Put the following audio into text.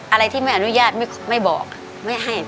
อะไรที่ไม่อนุญาตไม่บอกไม่ให้